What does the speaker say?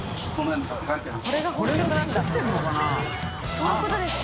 そういうことですか。